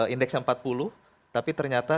indeks yang empat puluh tapi ternyata